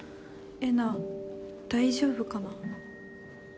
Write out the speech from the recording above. えな大丈夫かな？